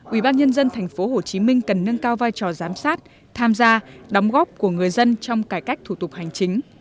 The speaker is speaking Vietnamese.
ubnd tp hcm cần nâng cao vai trò giám sát tham gia đóng góp của người dân trong cải cách thủ tục hành chính